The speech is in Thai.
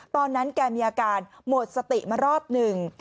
ตอนนั้นแกมีอาการหมดสติมารอบหนึ่ง